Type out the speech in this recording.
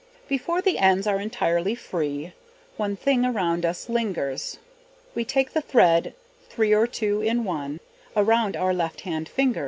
Before the ends are entirely free, One thing around us lingers, We take the thread, three or two in one, Around our left hand fingers.